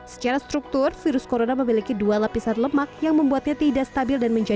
secara struktur virus corona memiliki dua lapisan lemak yang membuatnya tidak stabil